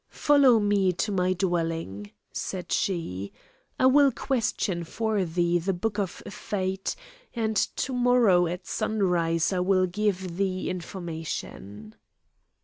"Follow me to my dwelling," said she, "I will question for thee the book of fate, and to morrow at sunrise I will give thee information."